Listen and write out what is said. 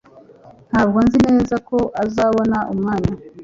Ntabwo nzi neza ko uzabona umwanya